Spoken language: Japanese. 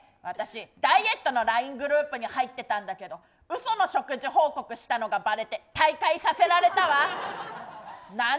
私ダイエットのＬＩＮＥグループに入ってたんだけど嘘の食事報告をしたのがバレて退会させられたわ。